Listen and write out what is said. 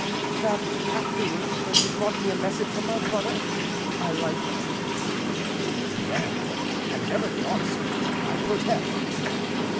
"That afterward, when you brought me a message from my brother, I liked you." "Madame, I never thought so, I protest."